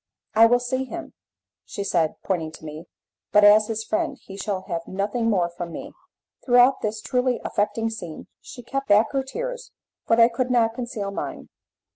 "I will see him," said she, pointing to me, "but as his friend he shall have nothing more from me." Throughout this truly affecting scene she kept back her tears, but I could not conceal mine.